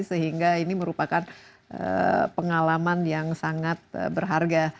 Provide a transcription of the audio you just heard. sehingga ini merupakan pengalaman yang sangat berharga